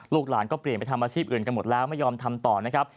หลานก็เปลี่ยนไปทำอาชีพอื่นกันหมดแล้วไม่ยอมทำต่อนะครับ